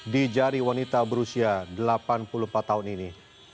di jari wanita berusia delapan puluh empat tahun ini